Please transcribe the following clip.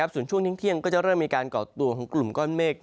ส่วนช่วงเที่ยงก็จะเริ่มมีการก่อตัวของกลุ่มก้อนเมฆ